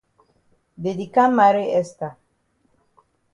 Dey di kam maret Esther.